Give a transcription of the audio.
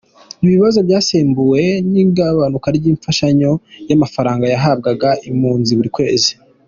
Ibibazo byasembuwe n’igabanuka ry’imfashanyo y’amafaranga yahabwaga impunzi buri kwezi.